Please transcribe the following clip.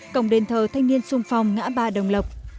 cổng đền thờ thanh niên sung phong ngã ba đồng lộc